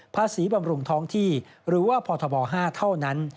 บำรุงท้องที่หรือว่าพบ๕เท่านั้น